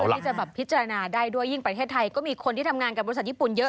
ที่จะแบบพิจารณาได้ด้วยยิ่งประเทศไทยก็มีคนที่ทำงานกับบริษัทญี่ปุ่นเยอะ